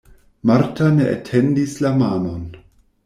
Marta ne etendis la manon.